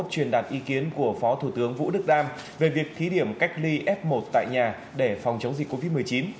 truyền đạt ý kiến của phó thủ tướng vũ đức đam về việc thí điểm cách ly f một tại nhà để phòng chống dịch covid một mươi chín